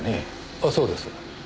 あそうです。